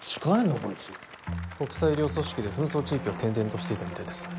こいつ国際医療組織で紛争地域を転々としていたみたいです